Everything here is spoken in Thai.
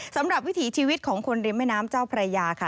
วิถีชีวิตของคนริมแม่น้ำเจ้าพระยาค่ะ